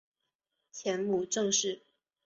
前母郑氏。